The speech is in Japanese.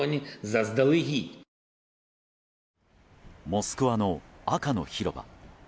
モスクワの赤の広場。